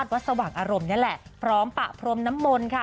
วัดสว่างอารมณ์นี่แหละพร้อมปะพรมน้ำมนต์ค่ะ